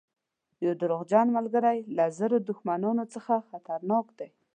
یو دروغجن ملګری له زرو دښمنانو څخه خطرناک دی.